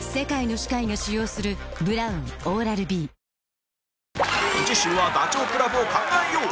１年ぶりに次週はダチョウ倶楽部を考えよう